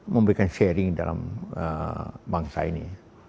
memberikan sharing dalam bangsa ini